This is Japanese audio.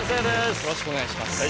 よろしくお願いします。